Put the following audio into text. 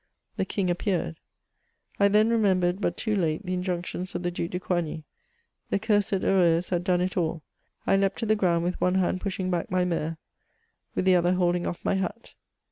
The King appeared. I thisn remembered, but too late, the injunctions of the Due de Coigny. The cursed Heureuse had done it all. I leaped to the ground, with one hand pushing back my tnare, with the other holding off my hat.